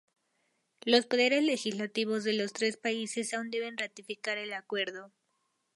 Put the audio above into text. Los poderes legislativos de los tres países aún deben ratificar el acuerdo.